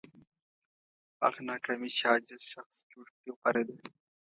هغه ناکامي چې عاجز شخص جوړ کړي غوره ده.